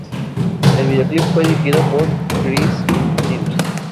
El video clip fue dirigido por Chris Sims.